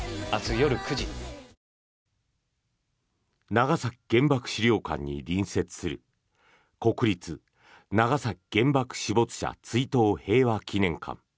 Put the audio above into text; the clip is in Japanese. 長崎原爆資料館に隣接する国立長崎原爆死没者追悼平和祈念館。